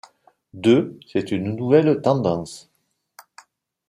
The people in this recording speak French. Deux, c’est une nouvelle tendance.